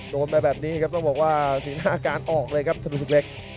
โดนไปแบบนี้ครับต้องบอกว่าสีหน้าการออกเลยครับธนูศึกเล็ก